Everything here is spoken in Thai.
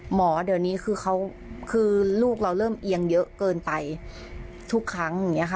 หมอเดี๋ยวนี้คือลูกเราเริ่มเอียงเยอะเกินไปทุกครั้ง